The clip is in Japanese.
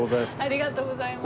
ありがとうございます。